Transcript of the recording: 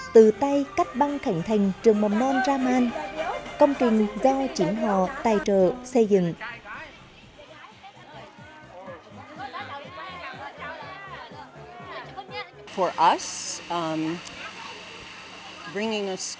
từ tay cắt băng khánh thành trường mầm non raman công trình do chính họ tài trợ xây dựng